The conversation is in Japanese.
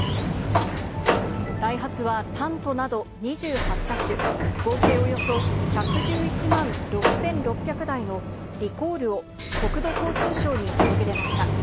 ダイハツは、タントなど２８車種、合計およそ１１１万６６００台のリコールを国土交通省に届け出ました。